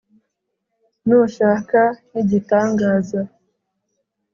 nushaka n'igitangaza